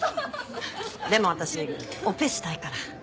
でも私オペしたいから。